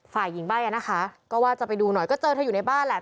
ฝ่ายหญิงใบ้อ่ะนะคะก็ว่าจะไปดูหน่อยก็เจอเธออยู่ในบ้านแหละ